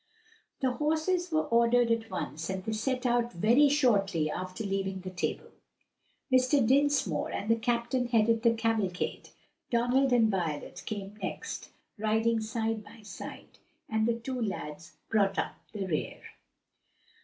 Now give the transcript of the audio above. The horses were ordered at once and they set out very shortly after leaving the table. Mr. Dinsmore and the captain headed the cavalcade, Donald and Violet came next, riding side by side, and the two lads brought up the rear.